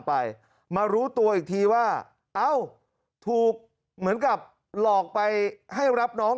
ไปมารู้ตัวอีกทีว่าเอ้าถูกเหมือนกับหลอกไปให้รับน้อง